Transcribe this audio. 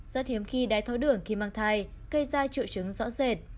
rất hiếm khi đai thói đường khi mang thai gây ra triệu chứng rõ rệt